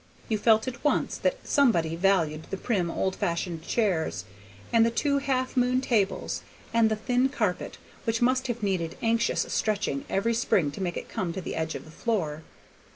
You felt at once that somebody valued the prim old fashioned chairs, and the two half moon tables, and the thin carpet, which must have needed anxious stretching every spring to make it come to the edge of the floor.